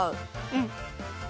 うん。